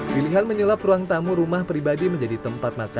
pilihan menyelap ruang tamu rumah pribadi menjadi tempat makan